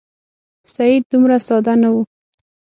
سید دومره ساده نه وو.